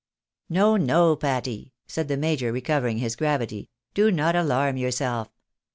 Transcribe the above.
" No, no, Patty," said the major, recovering his gravity. " Do not alarm yourself.